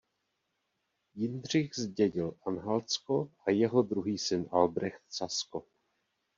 Jindřich zdědil Anhaltsko a jeho druh syn Albrecht Sasko.